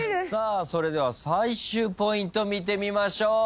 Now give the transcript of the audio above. それでは最終ポイント見てみましょう。